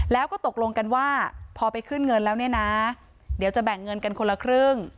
แล้วก็ตกลงกันว่าพอไปขึ้นเงินแล้วเนี่ยนะเดี๋ยวจะแบ่งเงินกันคนละครึ่ง